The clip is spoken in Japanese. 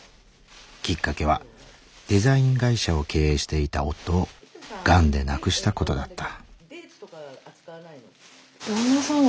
きっかけはデザイン会社を経営していた夫をガンで亡くしたことだった。